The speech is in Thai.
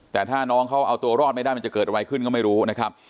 แต่ถ้าน้องเขาเอาตัวรอดไม่ได้มันจะเกิดอะไรขึ้นก็ไม่รู้นะครับ